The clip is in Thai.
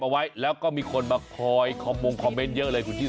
เอาไว้แล้วก็มีคนมาคอยคอมมงคอมเมนต์เยอะเลยคุณชิสา